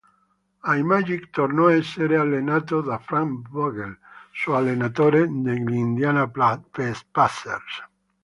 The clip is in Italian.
Ai Magic tornò a essere allenato da Frank Vogel, suo allenatore negli Indiana Pacers.